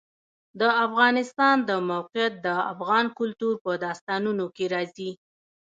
د افغانستان د موقعیت د افغان کلتور په داستانونو کې راځي.